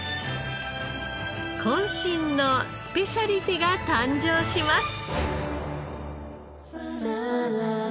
渾身のスペシャリテが誕生します。